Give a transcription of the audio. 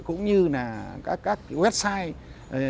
cũng như là các website